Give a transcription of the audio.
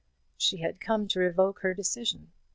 She had come to revoke her decision.